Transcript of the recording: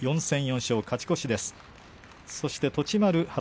４戦全勝、勝ち越し。